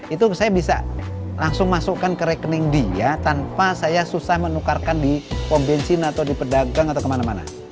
itu saya bisa langsung masukkan ke rekening dia tanpa saya susah menukarkan di pom bensin atau di pedagang atau kemana mana